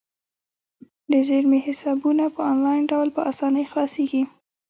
د زیرمې حسابونه په انلاین ډول په اسانۍ خلاصیږي.